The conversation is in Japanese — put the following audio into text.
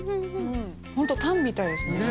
ホントタンみたいですね。